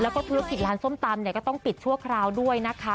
แล้วก็ธุรกิจร้านส้มตำเนี่ยก็ต้องปิดชั่วคราวด้วยนะคะ